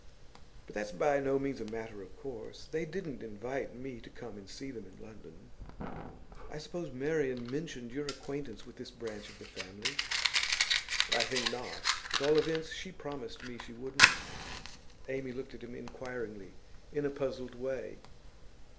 'But that's by no means a matter of course. They didn't invite me to come and see them in London.' 'I suppose Marian mentioned your acquaintance with this branch of the family?' 'I think not. At all events, she promised me she wouldn't.' Amy looked at him inquiringly, in a puzzled way.